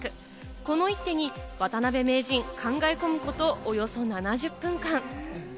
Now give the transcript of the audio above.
この一手に渡辺名人、考え込むこと、およそ７０分間。